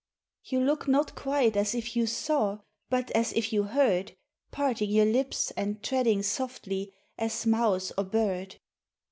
"You look not quite as if you saw, But as if you heard, Parting your lips, and treading softly As mouse or bird.